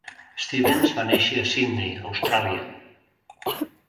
Stevens va néixer a Sydney, Austràlia.